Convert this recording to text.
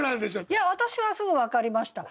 いや私はすぐ分かりました。